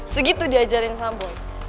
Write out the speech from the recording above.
segitu diajarin sama boy